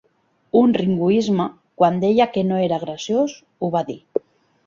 Un ringoisme, quan deia que no era graciós... ho va dir.